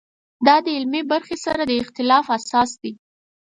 دا د علمي برخې سره د اختلاف اساس دی.